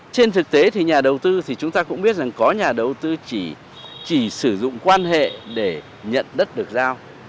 trên thực tế thì nhà đầu tư thì chúng ta cũng biết rằng có nhà đầu tư chỉ sử dụng quan hệ để nhận đất được giao